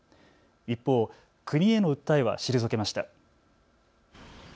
一方、国への訴えは退けました。